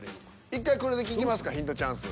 １回これで聞きますかヒントチャンス。